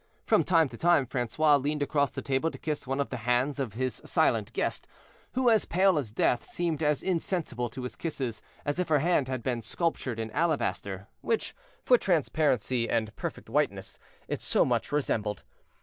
From time to time Francois leaned across the table to kiss one of the hands of his silent guest, who, as pale as death, seemed as insensible to his kisses as if her hand had been sculptured in alabaster, which, for transparency and perfect whiteness, it so much resembled.